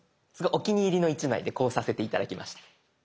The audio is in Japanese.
お気に入りの一枚でこうさせて頂きました。